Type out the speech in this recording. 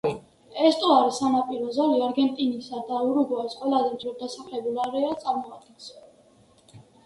ესტუარის სანაპირო ზოლი არგენტინისა და ურუგვაის ყველაზე მჭიდროდ დასახლებულ არეალს წარმოადგენს.